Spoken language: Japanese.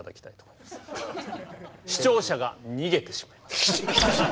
視聴者が逃げてしまいます。